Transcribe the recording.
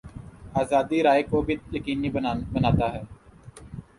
آزادیٔ رائے کو بھی یقینی بناتا ہے۔